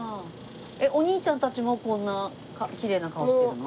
お兄ちゃんたちもこんなきれいな顔してるの？